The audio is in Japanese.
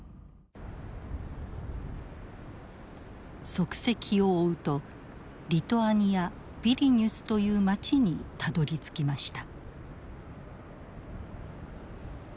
足跡を追うとリトアニアビリニュスという街にたどりつきました。